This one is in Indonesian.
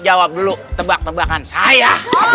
jawab dulu tebak tebakan saya